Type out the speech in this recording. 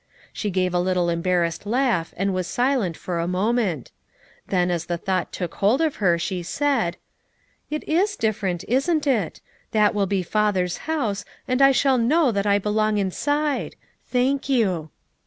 She gave a little embarrassed laugh and was silent for a mo ment; then, as the thought took hold of her she said: "It is different, isn't it? That will be Father's house and I shall know that I belong inside; thank you."